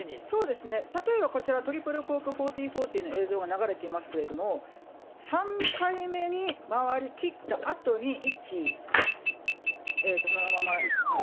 そうですね、例えばこちら、トリプルコーク１４４０の映像が流れていますけれども、３回目に回りきったあとに、１。